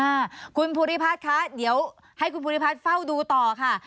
อ่าคุณภูริพัฒน์คะเดี๋ยวให้คุณภูริพัฒน์เฝ้าดูต่อค่ะ